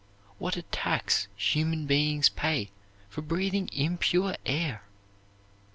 What a tax human beings pay for breathing impure air!